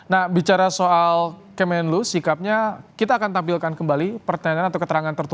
nah bicara soal kemenlu sikapnya kita akan tampilkan kembali pertanyaan atau keterangan tertentu